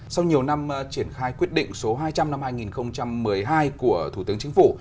sau nhiều năm triển khai quyết định số hai trăm linh năm hai nghìn một mươi hai của thủ tướng chính phủ